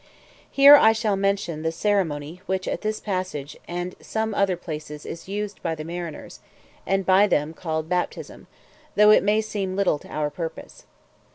Here I shall mention the ceremony, which, at this passage, and some other places, is used by the mariners, and by them called baptism, though it may seem little to our purpose.